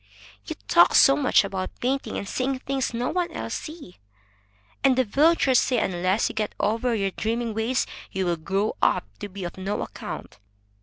"You talk so much about painting, and seeing things no one else sees, that the villagers say unless you get over your dreaming ways, you will grow up to be of no account.